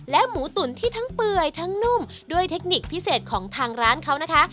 หมูตุ๋นที่ทั้งเปื่อยทั้งนุ่มด้วยเทคนิคพิเศษของทางร้านเขานะคะ